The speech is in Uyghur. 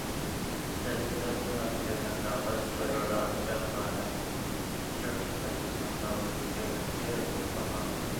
نەتىجىدە پۈتۈن مەملىكەتنىڭ ھەر قايسى جايلىرىدا كەڭ دائىرىلىك چىرىكلىك مەسىلىسى مەۋجۇت ئىكەنلىكى ئىسپاتلاندى.